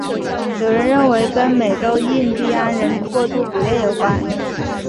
有人认为跟美洲印第安人过度捕猎有关。